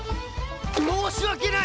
申し訳ない！